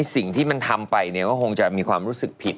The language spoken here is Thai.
สิ่งที่มันทำไปเนี่ยก็คงจะมีความรู้สึกผิด